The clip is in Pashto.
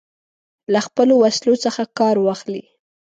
له خپلو وسلو څخه کار واخلي.